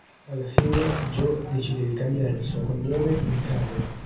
Alla fine Jo decide di cambiare il suo cognome in Karev.